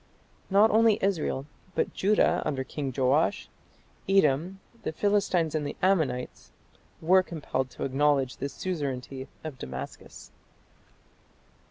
Not only Israel, but Judah, under King Joash, Edom, the Philistines and the Ammonites were compelled to acknowledge the suzerainty of Damascus.